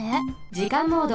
じかんモード。